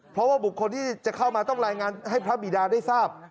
เพราะว่าบุคคลที่จะเข้ามาต้องรายงานให้พระบิดาได้ทราบ